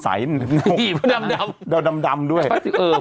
สวัสดีครับคุณผู้ชม